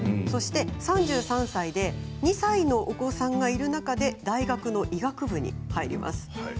そして、３３歳で２歳のお子さんがいる中で大学の医学部に入ります。